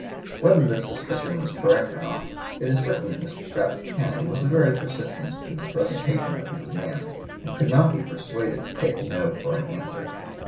Whether this suspicion was correct or not, it is certain that Mr. Stratford Canning was very persistent in the presentation of his demands, and could not be persuaded to take No for an answer.